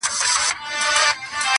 کله نا کله به راتلل ورته د ښار مېلمانه،